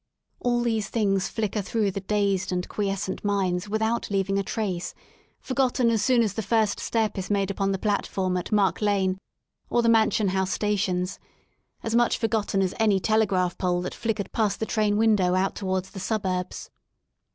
All these things flicker through the dazed and quiescent minds without leaving a trace, forgotten as soon as the first Step is made upon the platform at Mark Lane or the Mansion House Stations^as much forgotten as any telegraph pole that flickered past the train window out 131 THE SOUL OF LONDON towards the suburbs.